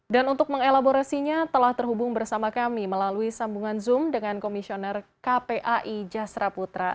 dan untuk mengelaboresinya telah terhubung bersama kami melalui sambungan zoom dengan komisioner kpai jasra putra